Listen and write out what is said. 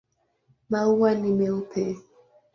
Maua ni meupe.